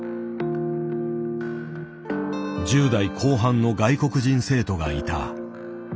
１０代後半の外国人生徒がいた。